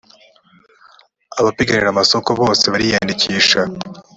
abapiganira amasoko bose bariyandikisha.